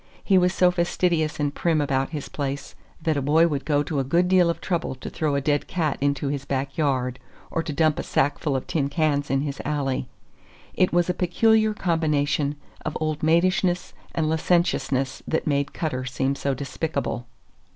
He was so fastidious and prim about his place that a boy would go to a good deal of trouble to throw a dead cat into his back yard, or to dump a sackful of tin cans in his alley. It was a peculiar combination of old maidishness and licentiousness that made Cutter seem so despicable.